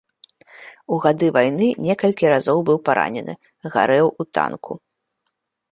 У гады вайны некалькі разоў быў паранены, гарэў у танку.